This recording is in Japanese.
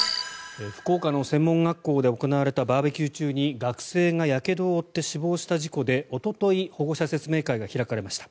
福岡の専門学校で行われたバーベキュー中に学生がやけどを負って死亡した事故でおととい保護者説明会が開かれました。